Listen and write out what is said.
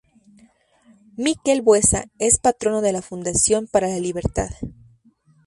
Mikel Buesa es patrono de la Fundación para la Libertad.